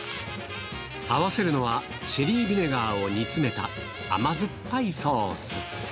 合わせるのはシェリーヴィネガーを煮詰めた甘酸っぱいソース。